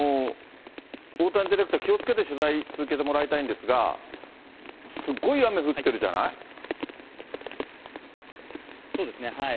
大谷ディレクター、気をつけて取材、続けてもらいたいんですが、すっごい雨降ってるそうですね。